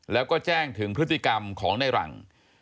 แล้วก็แจ้งถึงพฤติกรรมของในหลัง